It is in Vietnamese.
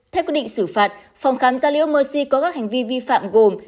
theo quyết định xử phạt phòng khám gia liễu mercy có các hành vi vi phạm gồm